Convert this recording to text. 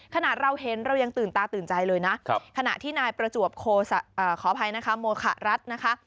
ขนาดเราเห็นเรายังตื่นตาตื่นใจเลยนะขณะที่นายประจวบขออภัยนะคะโมคะรัฐนะคะ